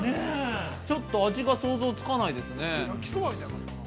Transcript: ちょっと味が想像つかないですね。